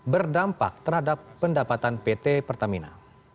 berdampak terhadap pendapatan pt pertamina